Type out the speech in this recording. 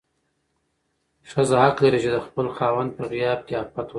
ښځه حق لري چې د خپل خاوند په غياب کې عفت وساتي.